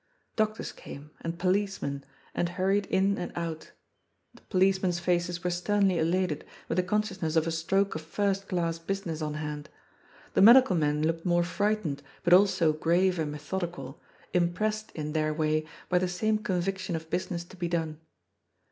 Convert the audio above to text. Doctors came, and policemen, and hurried in and out. The policemen's faces were sternly elated, with the con sciousness of a stroke of first class business on hand. The medical men looked more frightened, but also grave and methodical, impressed, in their way, by the same conviction of business to be done.